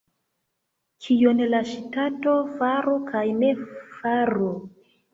Kion la ŝtato faru kaj ne faru?